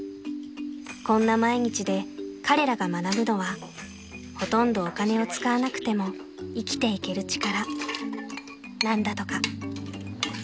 ［こんな毎日で彼らが学ぶのはほとんどお金を使わなくても生きていける力なんだとか］